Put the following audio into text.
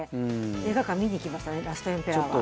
映画館、見に行きましたね「ラストエンペラー」は。